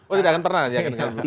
oh tidak akan pernah ya